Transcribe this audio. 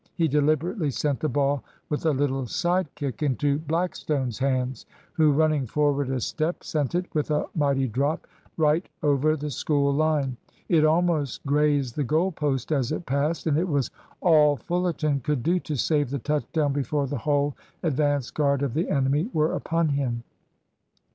He deliberately sent the ball with a little side kick into Blackstone's hands, who, running forward a step, sent it, with a mighty drop, right over the School line. It almost grazed the goal post as it passed, and it was all Fullerton could do to save the touch down before the whole advance guard of the enemy were upon him.